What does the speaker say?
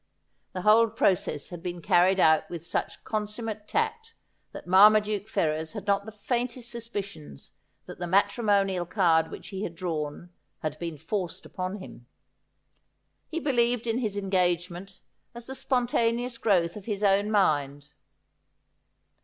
The whole process had been carried out with such consummate tact that Marmaduke Ferrers had not the faintest suspicion that the matrimonial card which he had drawn had been forced upon him. He believed in his engage ment as the spontaneous growth of his own mind.